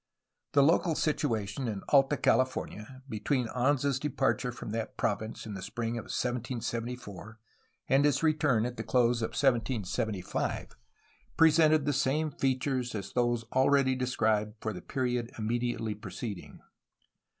The local situation in Alta California between Anza's de parture from that province in the spring of 1774 and his re turn at the close of 1775 presented the same features as those already described for the period immediately preceding.